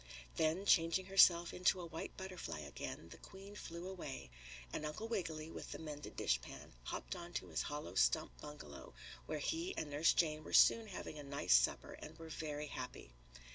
Then, changing herself into a white butterfly again, the Queen flew away, and Uncle Wiggily, with the mended dishpan, hopped on to his hollow stump bungalow, where he and Nurse Jane were soon having a nice supper and were very happy.